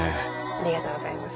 ありがとうございます。